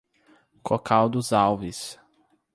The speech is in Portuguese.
Cocal dos Alves